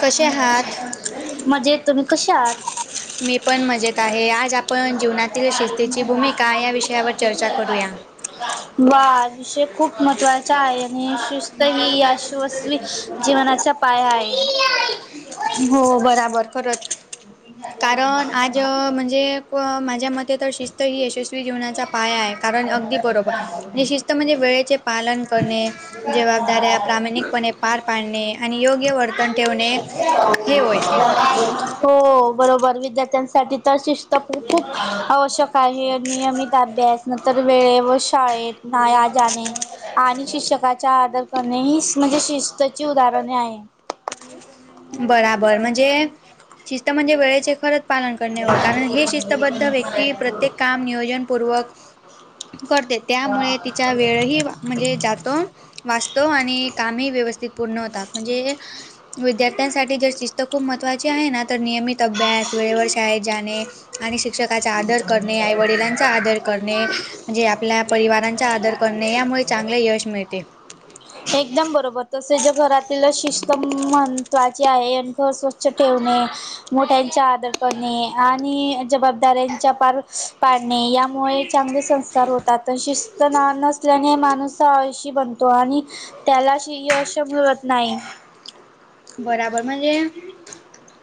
कसे हात म्हणजे तुम्ही कसे आहात मी पण मजेत आहे आज आपण जीवनातील शिस्तीची भूमिका या विषयावर चर्चा करूया वा विषय खूप महत्त्वाचा आहे आणि शिस्त ह यशस्वी जीवनाचा पाया आहे हो बराबर खरंच कारण आज म्हणजे व माझ्या मते तर शिस्त ही यशस्वी जेवनाचा पाया आहे कारण अगदी बरोबर निशिस्त म्हणजे वेळेचे पालन करणे जबाबदाऱ्या प्रामाणिकपणे पार पाडणे आणि योग्य वर्तन ठेवणे हे होय हो बरोबर विद्यार्थ्यांसाठी तर शिस्त खूप आवश्यक काही नियमित अभ्यास न तरर वेळे व शाळेत नाया जाणे आणि शिक्षकाचा आदर करणे ही म्हणजे शिस्तची उदाहरणे आहे बराबर म्हणजे शिस्त म्हणजे वेळेचे खरंच पालन करणेवर कारण हे शिस्तबद्ध व्यक्ती प्रत्येक काम नियोजन पूर्वक करते त्यामुळे तिचा वेळ ह म्हणजे जातो वाचतो आणि कामही व्यवस्थित पूर्ण होतात म्हणजे विद्या श्यांसाठी जर शिस्त खूप महत्त्वाची आहे ना तर नियमित अभ्यास वेळेवर शाळेत जाणे आणि शिक्षकाचा आदर करणे आई वडिलांचा आदर करणे म्हणजे आपल्या परिवारांचा आदर करणे यामुळे चांगले यश मिळते एकदम बरोबर तसे ज्या घरात तिला शिस्तम महत्त्वाची आहे आणि घर स्वच्छ ठेवणे मोठ्यांचा आदर करणे आणि ज बा दऱ्यांच्या पार पाडणे यामुळे चांगले संस्कार होते तात शिस्त ना नसल्याने माणूस आळशी बनतो आणि त्याला यश मिळत नाही बराबर म्हणजे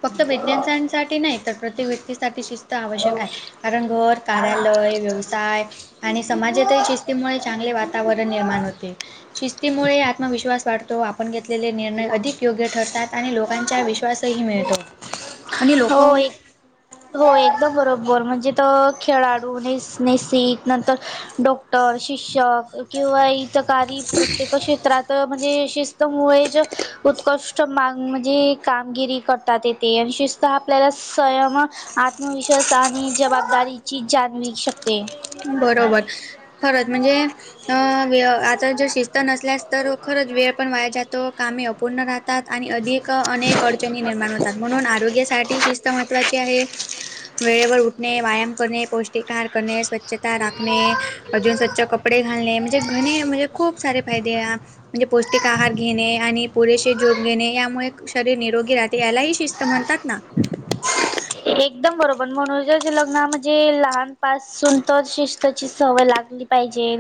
फक्त विैज्ञानसांसाठी नाही तर प्रत्येक व्यक्तीसाठी शिस्त आवश्यक आहे कारण घर कार्यालय व्यवसाय आणि समाजातील शिस्तीमुळे चांगले वातावरण निर्माण होते शिस्तीमुळे आत्मविश्वास वाढतो आपण घेतलेले निर्णय अधिक योग्य ठरतात आणि लोकांचा विश्वासही मिळतो आणि लोक हो एक [inaudible] हो एकदम बरोबर म्हणजे त खेळाडू नस नसिक नंतर डो तर शिक्षक किंवा इथं काही प्रत्येक क्षेत्रात म्हणजे शिस्तमुळे ज उत्कृष्ट माग म्हणजे कामगिरी करतात येते आणि शिस्त आपल्याला स्वयम आत्मविश्वास आणि जबाबदारीची जाणीव शकते बरोबर खरच म्हणजे अ तर जर शिस्त नसल्यास तर खरंच वेळ पण वाया जातो कामे अपूर्ण राहत तात आणि अधिक अनेक अडचणी निर्माण होतात म्हणून आरोग्यासाठी शिस्त महत्त्वाची आहे वेळेवर उठणे व्यायाम करणे पौष्टिक आहार करणे स्वछ स्वच्छता राखणे अजून स्वच्छ कपडे घालणे म्हणजे घणे म्हणजे खूप सारे फायदे म्हणजे पौष्टिक आहार घेणे आणि पुरेसे जोग घेणे यामुळे शरीर निरोगी राह यालाही शिस्त म्हणतात ना एकदम बरोबर मनोजच्या लग्ना म्हणजे लहानपासून तर शिस्तची सवय लागली पाहिजे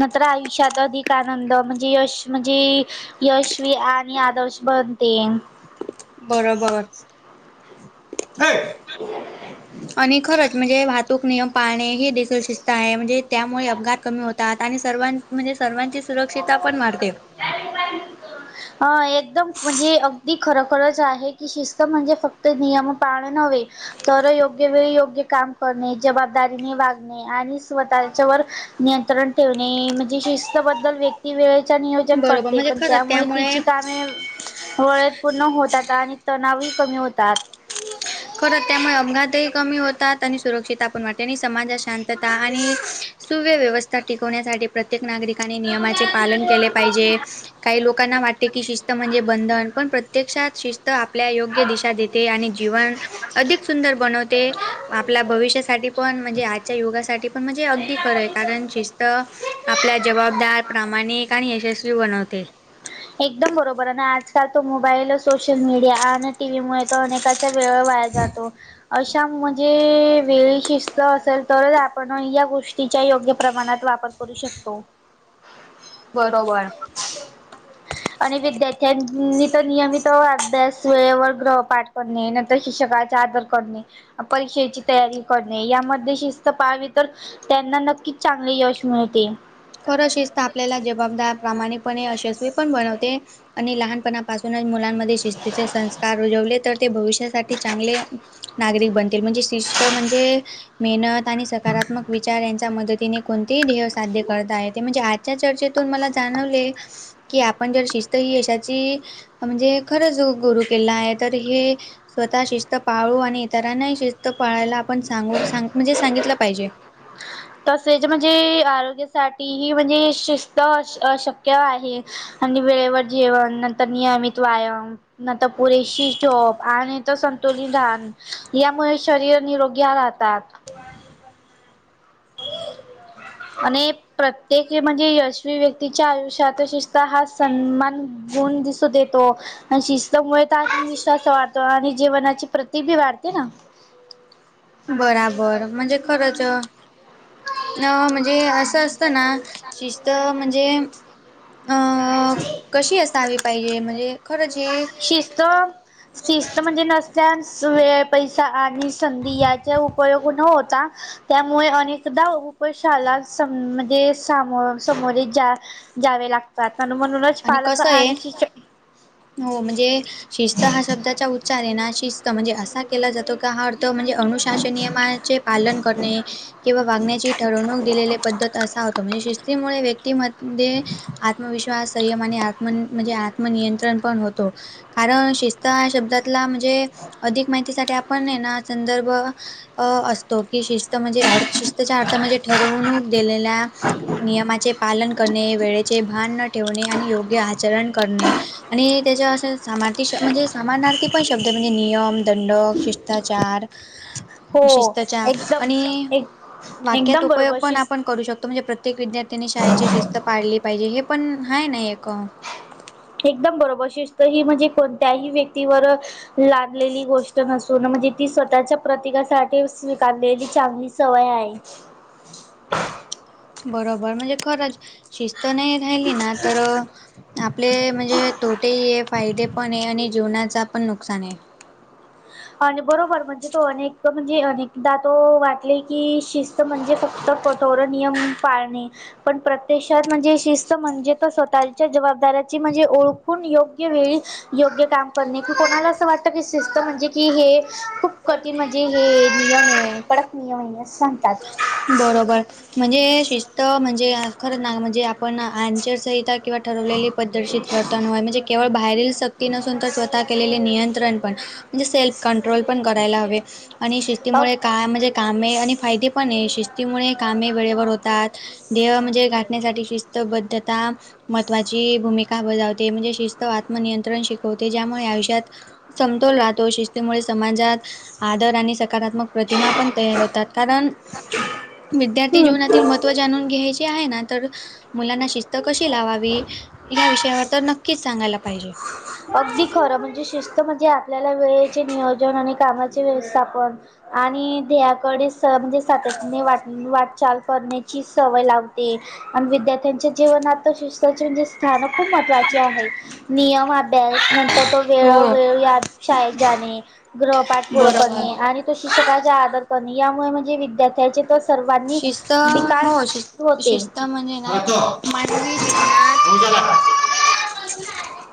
नंतर आयुष्यात अधिक आनंद म्हणजे यश म्हणजे यशवी आणि आदर्श बनते बरोबर [unintelligible] आणि खरंच म्हणजे भ तुक नियम पाळणे हे देखील शिस्त आहे म्हणजे त्यामुळे अपघात कमी होतात आणि सर्वां म्हणजे सर्वांचेच सुरक्षिता पण मारते हा एकदम म्हणजे अगदी खरोखरंच आहे की शिस्त म्हणजे फक्त नियम पाळणे नव्हे तर योग्य वेळी योग्य काम करणे जबाबदारीने वागणे आणि स्वतःच्या व नियंत्रण ठेवणे म्हणजे शिस्तबद्दल व्यक ती वेळेच नियोजन बरोबर करते म्हणजे पण खरंच त्यामुळे तिची कामे वळेत पूर्ण होतात आणि तणाव कमी होतात खरं त्यामुळे अपघात एक कमी होतात आणि सुरक्षता पण वाटते आणि समाजात शांतता आणि सुव्य व्यवस्था टिकवण्यासाठी प्रत्येक नागरिकाने नियमाचे पालन केले पाहिजे काही लोकांना वाटते की शिस्त म्हणजे बंधन पण प्रत्यक्षात शिस्त तर आपल्या योग्य दिशा देते आणि जीवन अधिक सुंदर बनवते आपल्या भविष्यासाठी पण म्हणजे आजच्या युगासाठी पण पण म्हणजे अगदी खरं आहे कारण शिस्त आपल्या जबाबदार प्रामाणिक आणि यशस्वी बनवते एकदम बरोबर आणि आजकाल तो मोबाईल सोशल मीडिया आणि टीव्ही मुळे तर अनेक वेळ वाया जातो अशा म्हणजे वेळी शिस्त असेल तरच आपण या गोष्टीच्या योग्य प्रमाणात वापर करू शकतो बरोबर आणि विद्यार्थ्यांनी तर नियमित अभ्यास वेळेवर ग्रहपाठ करणे शिक्षकाचा आदर करणे परीक्षेची तयारी करणे यामध्ये शिस्त पाळावी तर त्यांना नक्कीच चांगले यश मिळते. खरं शिस्त आपल्याला जबाबदार प्रामाणिकपणे यशस्वी पण बनवते आणि लहानपण पासूनच मुलांमध्ये शिस्तीचे संस्कार रुजवले तर ते भविष्यासाठी चांगले नागरिक बनतील म्हणजे शिस् म्हणजे मेहनत आणि सकारात्मक विचार यांच्या मदतीने कोणतेही ध्येय साध्य करत आहे ते म्हणजे आजच्या चर्चेतून मला जाणवले कि आपण जर शिस्त ही यशाची म्हणजे खरंच गुरु किल्ला आहे तर हे स्वतः शिस्त पाळू आणि इतरांना शिस्त पाळायला आपण सांग म्हणजे सांगितलं पाहिजे तसेच म्हणजे आरोग्यासाठीही म्हणजे शिस्त अ अशक्य आहे आणि वेळेवर जेवण नंतर नियमित व्यायाम नंतर पुरेशी झोप आणि तर संतुलन धान यामुळे शरीर निरोगी राहतात. आणि प्रत्येक म्हणजे यशवी व्यक्तीच्या आयुष्यात शिषत हा सन्मान गुण दिसत देतो. आणि शिस्तमुळे तर आत्मविश्वास वाढतो आणि जीवनाची प्रतिभी वाढते ना. बराबर म्हणजे खरंच म्हणजे अस. त असताना शिस्त म्हणजे अ कशी असावी पाहिजे म्हणजे खरं जे शिस्त शिस्त म्हणजे नसल्यान व पैसा आणि संधी याचा उपयोग न होता. त्यामुळे अनेकदा अुपशाला सम म्हणजे सामो समोरे जा जावे लागतात आणि म्हणूनच पालक कसं आहे आणि श हो म्हणजे शिस्त हा शब्दाचा उच्चार आहे ना. शिस्त म्हणजे असा केला जातो हा अर्थ म्हणजे अनुशासन नियमाचे पालन करणे किंवा वागण्याची ठरवणूक दिलेले पद्धत असा होतो म्हणजे शिस्तीमुळे व्यक्तीमध्ये आत्मविश्वास संयमाने आत्म म्हणजे आत्मनियंत्रण पण होतो. कारण शिस्त ह शब्दातला म्हणजे अधिक माहितीसाठी आपण ना संदर्भ अं असतो की शिस्त म्हणजे अ शिस्तच्या अर्था म्हणजे ठरवून दिलेल्या नियमाचे पालन करणे वेळेचे भान न ठेवणे आणि योग्य आचरण करणे. आणि त्याच्या असे सामार्थी म्हणजे सामानार्थी पण शब्द म्हणजे नियम दंडक शिष्टाचार. ह [unintelligible] शिस्तच्या आणि वाक्यात एकदम उपयोग बरोबर पण शिस् आपण करू शकतो म्हणजे प्रत्य प्रत्येक विद्यार्थ्यांनी शाळेची शिस्त पाळली पाहिजे हे पण आहे नाही आहे का. एकदम बरोबर शिस्त ही म्हणजे कोणत्याही व्यक्तीवर लादलेली गोष्ट नसून म्हणजे ती स्वतःच्या प्रतीकासाठी स्वीकारलेली चांगली सवय आहे. ह बरोबर म्हणजे खरंच शिस्त नाही राहिली ना तर आपले म्हणजे तोटेही आहे फायदे पण आहे आणि जीवनाचा पण नुकसान आहे. आणि बरोबर म्हणजे तो अनेक म्हणजे अनेकदा तो वाटले की शिस् म्हणजे फक्त कठोर नियम पाळणे पण प्रत्यात म्हणजे शिस्त म्हणजे त स्वतःच्या जबाबदाऱाची म्हणजे ओळखून योग्य वेळी योग्य काम करणे क कोणाला असं वाटतं क शिस्तम म्हणजे कि हे खूप कधी म्हणजे हे नियम आहे कडक नियम आहे अस सांगतात. बरोबर म्हणजे शिस्त म्हणजे खरं ना म्हणजे पण आचरसंहिता किंवा ठरवलेली पद्धतीत वर्तन वय म्हणजे केवळ बाहेरील नसून तर स्वतः केलेले नियंत्रण पण. म्हणजे सेल्फ कंट्रोल पण करायला हवे आणि अ शिस्तीमुळे काय म्हणजे कामे आणि फायदे पण शिस्तीमुळे कामे वेळेवर होतात देह म्हणजे गाठण्यासाठी शिस्तबद्धता महत्त्वाची भूमिका बजावते म्हणजे शिस्त आत्मनियंत्रण शिकवते ज्यामुळे आयुष्यात समतोल राहतो शिस्तीमुळे समाजात आदर आणि सकारात्मक प्रतिमा पण तयार होतात कारण, विद्यार्थी हम्म जीवनातील महत्त्व जाणून घ्यायचे आहे ना तर मुलांना शिस्त कशी लावावी या विषयावर तर नक्कीच सांगायला पाहिजे. अगदी खरं म्हणजे शिस्त म्हणजे आपल्याला वेळेचे नियोजन आणि कामाचे व्यवस्थापन. आणि ध्येयाकडे स म्हणजे सातत्याने वाट वाटचाल करण्याची सवय लावते. आणि विद्यार्थ्यांच्या जीवनात शिस्चे म्हणजे स्थान खूप महत्त्वाचे आहे नियम नर तो वेळ हो. वेळ या शाळेत जाणे गृहपाठ प बरोबर करणे आणि तो शिक्षकाचा आदर करणे यामुळे म्हणजे विद्यार्थ्याचे तर सर्वांनी शिस्त विकास हो शिस् होते. होजला [unintelligible] [unintelligible]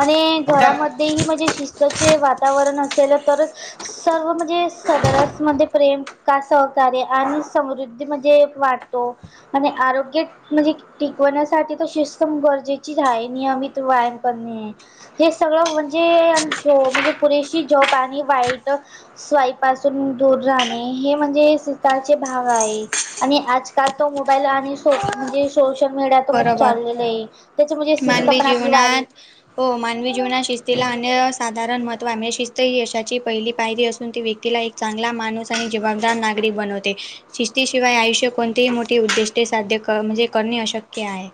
आणि घरामध्येही म्हणजे शिस्तचे वातावरण असेल तर सर्व म्हणजे सदरासमध्ये प्रेम का सहकार्य आणि समृद्धी म्हणजे, वाटतो आणि आरोग्य म्हणजे टिकवण्यासाठी तर शिस्कण गरजेचीच आहे नियमित व्यायाम करणे हे सगळं म्हणजे झ म्हणजे पुरेशी झोप आणि वाईट स्वईपासून दूर राहणे हे म्हणजे शीताचे भाग आहे आणि आजकाल तो मोबाईल आणि शो म्हणजे सोशल मीडिया तर खूप बरोबर चाललेलं आहे त्याच म्हणजे शिस्त मानवी पण आपली वाढ जीवनात हो मानवी जीवनात शिस्तीला अन्य साधारण महत्व आहे म्हणजे शिस्त ही यशाची पहिली पायरी असून ती व्यक्तीला एक चांगला माणूस आणि जबाबदार नागरीिक बनवते शिस्तीशिवाय आयुष्य कोणतेही मोठी उद्दिष्टे साध्य कर म्हणजे करणे अशक्य आहे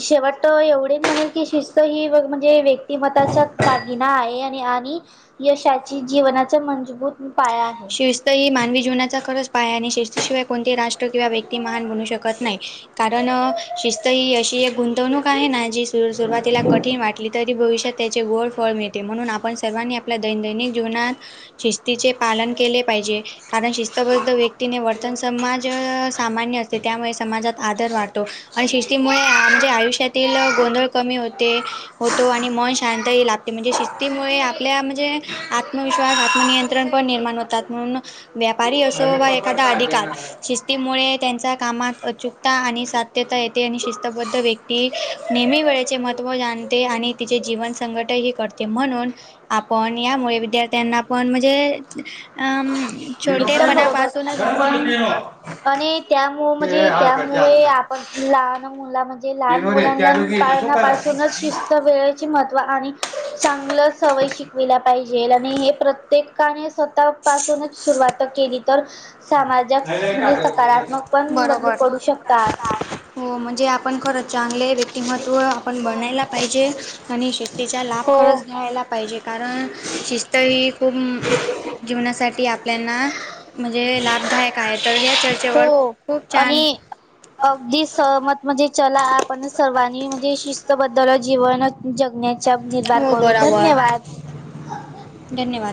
शेवट एवढेच म्हणेल की शिस्त ही म्हणजे व्यक्तिमताच्या दागिना आहे आणि आणि यशाची जीवनाचा मजबूत पाय आहे शिस्त ही मानवी जीवनाचा खरंच पाय आणि शिस्तशिवाय कोणते राष्ट्र किंवा व्यक्ती महान बनू शकत नाही कारण शिस्त ही अशी एक गुंतवणूक आहे ना ज सुरुवातीला कठीण वाटली तरी भविष्यात त्याचे गोड फळ मिळते म्हणून आपण सर्वांनी आपल्या दैननिक जीवनात शिस्तीचे पालन केले पाहिजे कारण शिस्तबद्ध व्यक्तीने वर्तन समाज सामान्य असते त्यामुळे समाजात आदर वाटतो आणि शिस्तीमुळे आमच्या आयुष्यातील गोंधळ कमी होत होतो आणि मन शांत लागते म्हणजे शिस्तीमुळे आपल्या म्हणजे आत्मविश्वास मग नियंत्रण पण निर्माण होतात म्हणून व्यापारी असो वा एखादा अधिकार शिस्तीमुळे त्यांच्या कामात अचूक आणि सात्यता येते आणि शिस्तबद्ध व्यक्ती नेहमी वेळेचे महत्व जाणते आणि तिचे जीवन संकट ह करते म्हणून आपण यामुळे विद्यार्थ्यांना पण म्हणजे अम एकदम बरोबर छोटेपणापासूनच आपण आणि त्यामु ते म्हणजे हार कर जात त्यामुळे पण ती लहान मुला म्हणजे लहान ना मुलांना त्यानुगी सुख आहे पाळनापासूनच शि वेळेचे महत्त्व आणि चांगलं सवय शिकविल्या पाहिजे आणि हे प्रत्येकाने स्वतः पासूनच सुरुवात केली तर सामाजिक म्हणजे सकारात्मक पण बदलू बरोबर पडू शकतात हो म्हणजे आपण खर चांगले व्यक्तिमत्व आपण बनायला पाहिजे आणि शिस्तीचा लाभ हो. खरंच घ्यायला पाहिजे कारण शिस्त ही खूप जीवनासाठी आपल्याना म्हणजे लाभदायक आहे तर या हो चर्चेवर खूप आणि छान अगदी सहमत म्हणजे चला आप आपण सर्वांनी म्हणजे शिस्तबद्दल जीवन जगण्याचा निर्भार हो करू बरोबर धन्यवाद धन्यवाद